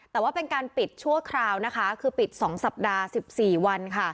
แต่ว่าเป็นการปิดชั่วคราวนะคะคือปิด๒สัปดาห์๑๔วันค่ะ